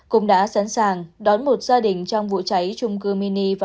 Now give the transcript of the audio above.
cũng đã sẵn sàng đón một gia đình trong vụ cháy trung cư mini và